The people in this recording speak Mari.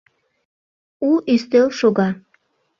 У ӱстел шога: